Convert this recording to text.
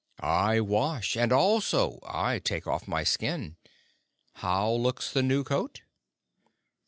"I wash, and also I take off my skin. How looks the new coat?"